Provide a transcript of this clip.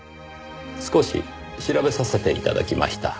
少し調べさせて頂きました。